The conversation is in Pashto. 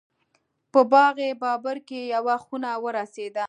په باغ بابر کې یوه خونه ورسېده.